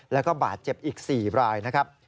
แล้วก็บาดเจ็บอีก๔รายนะครับ